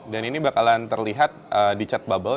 dan ini bakalan terlihat di chat bubble